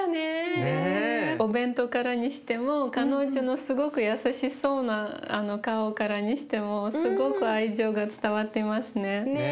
お弁当からにしても彼女のすごく優しそうな顔からにしてもすごく愛情が伝わってますね。ね。ね。